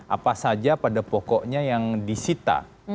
apa saja pada pokoknya yang disita